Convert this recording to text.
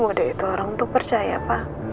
ya tapi kan gak semua deh itu orang tuh percaya pa